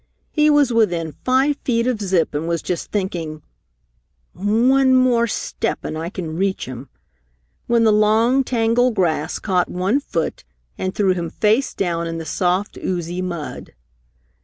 He was within five feet of Zip and was just thinking, "One more step and I can reach him!" when the long tangle grass caught one foot and threw him face down in the soft, oozy mud.